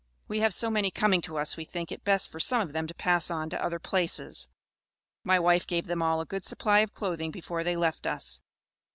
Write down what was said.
We have so many coming to us we think it best for some of them to pass on to other places. My wife gave them all a good supply of clothing before they left us.